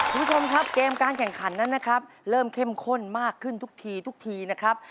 คุณผู้ชมครับเกมการแข่งขันนั้นนะครับเริ่มเข้มข้นมากขึ้นทุกทีทุกทีนะครับ